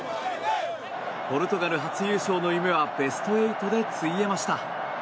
ポルトガル初優勝の夢はベスト８でついえました。